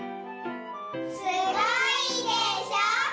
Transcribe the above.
すごいでしょ？